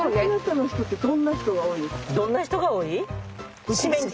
どんな人が多い？